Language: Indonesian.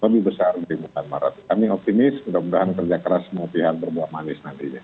dan lebih besar dari bukan marat kami optimis mudah mudahan kerja keras mau pihak berbuah manis nantinya